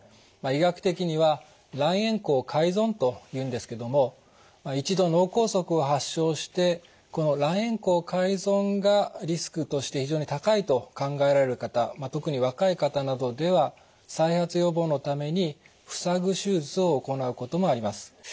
医学的には卵円孔開存というんですけども一度脳梗塞を発症してこの卵円孔開存がリスクとして非常に高いと考えられる方特に若い方などでは再発予防のために塞ぐ手術を行うこともあります。